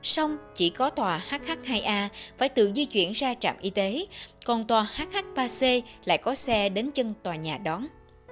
xong chỉ có tòa hh hai a phải tự di chuyển ra trạm y tế còn tòa hh ba c lại có xe đến chân tòa nhà đón